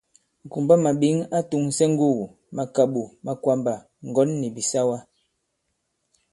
Ŋ̀kumbamàɓěŋ a tòŋsɛ ŋgugù, màkàɓò, makwàmbà, ŋgɔ̌n nì bìsawa.